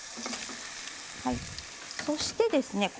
そしてですね